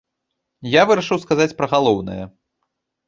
Я вырашыў сказаць пра галоўнае.